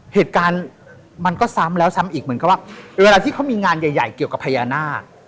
เหตุการณ์มันก็ซ้ำแล้วซ้ำอีกเหมือนกับว่าเวลาที่เขามีงานใหญ่เกี่ยวกับพญานาค